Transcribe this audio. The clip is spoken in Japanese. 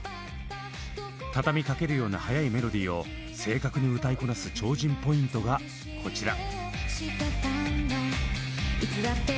畳みかけるような速いメロディーを正確に歌いこなす超人ポイントがこちら。